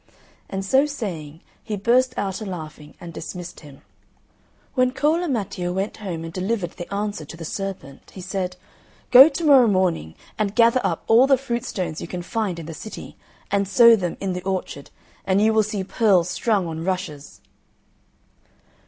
And so saying, he burst out a laughing, and dismissed him. When Cola Matteo went home and delivered the answer to the serpent, he said, "Go to morrow morning and gather up all the fruit stones you can find in the city, and sow them in the orchard, and you will see pearls strung on rushes!"